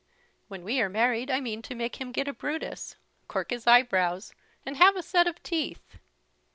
When we are married I mean to make him get a Brutus, cork his eyebrows, and have a set of teeth."